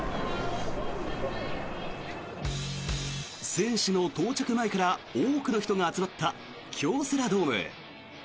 選手の到着前から多くの人が集まった京セラドーム。